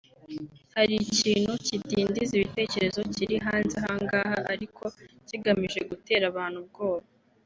”Hari ikintu cy’idindiza bitekerezo kiri hanze ahangaha ariko kigamije gutera abantu ubwoba